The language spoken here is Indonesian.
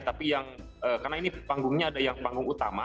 tapi yang karena ini panggungnya ada yang panggung utama